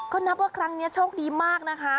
ก็นับว่าครั้งนี้โชคดีมากนะคะ